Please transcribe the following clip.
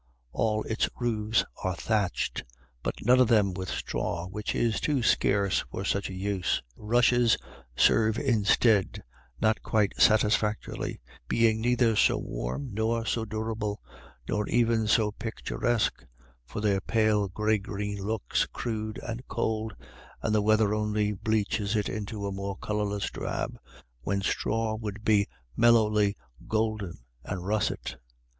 All its roofs are thatched, but none of them with straw, which is too scarce for such a use. Rushes serve instead, not quite satisfactorily, being neither so warm nor so durable, nor even so picturesque, for their pale grey green looks crude and cold, and the weather only bleaches it into a more colourless drab, when straw would be mellowly golden and russet.